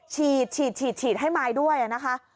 ฉีดฉีดให้มายด้วยนะคะ